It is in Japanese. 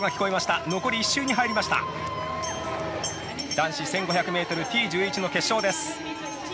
男子１５００ｍ、Ｔ１１の決勝です。